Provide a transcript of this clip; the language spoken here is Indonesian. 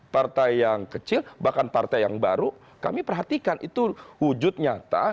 partai yang kecil bahkan partai yang baru kami perhatikan itu wujud nyata